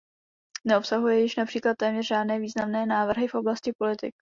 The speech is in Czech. Neobsahuje již například téměř žádné významné návrhy v oblasti politik.